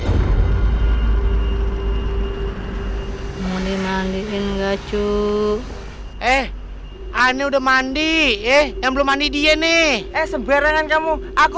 hai muli mandiin gak cuy eh aneh udah mandi eh yang belum mandi dia nih eh sebarangan kamu aku